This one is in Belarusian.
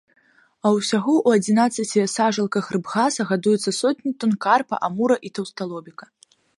А ўсяго ў адзінаццаці сажалках рыбгаса гадуецца сотні тон карпа, амура і таўсталобіка.